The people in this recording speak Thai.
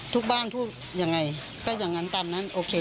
ทุกบ้านพูดยังไงก็อย่างนั้นตามนั้นโอเค